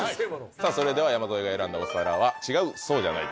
さぁそれでは山添が選んだお皿は「違う、そうじゃない」です。